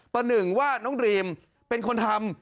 ประหนึ่งว่าน้องดรีมเป็นคนทำ